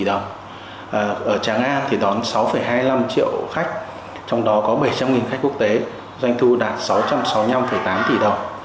ở tràng an thì đón sáu hai mươi năm triệu khách trong đó có bảy trăm linh khách quốc tế doanh thu đạt sáu trăm sáu mươi năm tám tỷ đồng